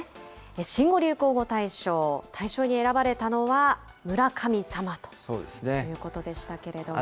新語・流行語大賞、大賞に選ばれたのは、村神様ということでしたけれども。